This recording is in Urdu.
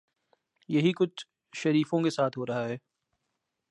یہی کچھ شریفوں کے ساتھ ہو رہا ہے۔